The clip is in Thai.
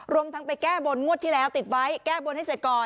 รวมทั้งไปแก้บนงวดที่แล้วติดไว้แก้บนให้เสร็จก่อน